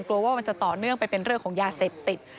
กลัวว่ามันจะต่อเนื่องไปเป็นเรื่องของยาเสพติด